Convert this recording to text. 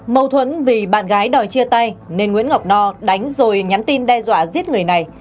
mâu thuẫn vì bạn gái đòi chia tay nên nguyễn ngọc no đánh rồi nhắn tin đe dọa giết người này